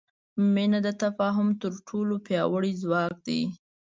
مینه د تفاهم تر ټولو پیاوړی ځواک دی.